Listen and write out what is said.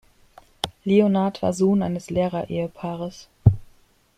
Leonhardt war Sohn eines Lehrerehepaares.